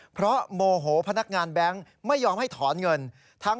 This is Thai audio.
เพราะโมโหพนักงานแบงค์ไม่ยอมให้ถอนเงิน